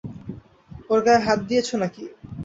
ওর গায়ে হাত দিয়েছো নাকি?